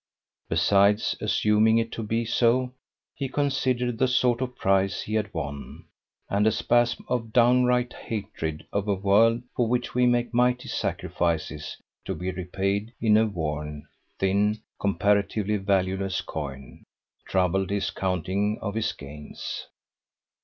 Besides, assuming it to be so, he considered the sort of prize he had won; and a spasm of downright hatred of a world for which we make mighty sacrifices to be repaid in a worn, thin, comparatively valueless coin, troubled his counting of his gains.